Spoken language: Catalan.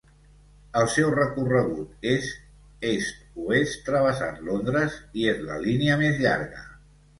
El seu recorregut és est-oest travessant Londres, i és la línia més llarga.